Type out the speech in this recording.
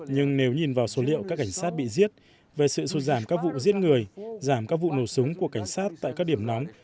nhưng nếu nhìn vào số liệu các cảnh sát bị giết về sự sụt giảm các vụ giết người giảm các vụ nổ súng của cảnh sát tại các điểm nóng